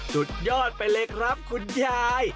สุดยอดไปเลยครับคุณยาย